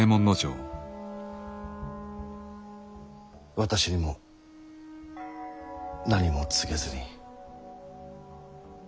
私にも何も告げずに。